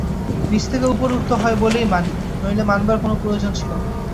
নীচে থেকে উপরে উঠতে হয় বলেই মানি– নইলে মানবার কোনো প্রয়োজন ছিল না।